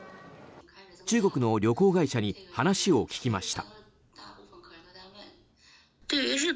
中国の旅行会社に話を聞きました。